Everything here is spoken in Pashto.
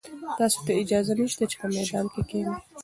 تاسي ته اجازه نشته چې په میدان کې کښېنئ.